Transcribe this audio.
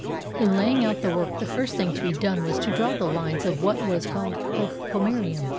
In laying out the work, the first thing to be done was to draw the lines of what was called the pomoerium.